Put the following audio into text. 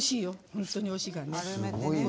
本当においしいからね。